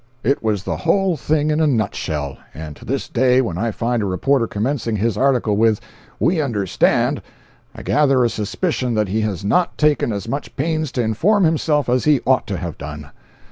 It was the whole thing in a nut shell; and to this day when I find a reporter commencing his article with "We understand," I gather a suspicion that he has not taken as much pains to inform himself as he ought to have done.